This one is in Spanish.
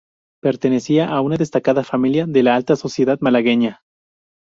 Pertenecía a una destacada familia de la alta sociedad malagueña.